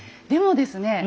でもですね